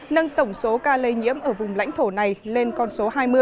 nâng tổng số ca lây nhiễm ở vùng lãnh thổ này lên con số hai mươi